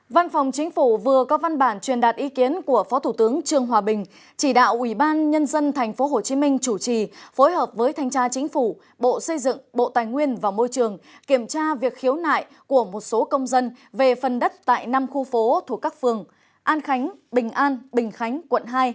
văn phòng chính phủ vừa có văn bản truyền đạt ý kiến của phó thủ tướng trương hòa bình chỉ đạo ủy ban nhân dân tp hcm chủ trì phối hợp với thanh tra chính phủ bộ xây dựng bộ tài nguyên và môi trường kiểm tra việc khiếu nại của một số công dân về phần đất tại năm khu phố thuộc các phường an khánh bình an bình khánh quận hai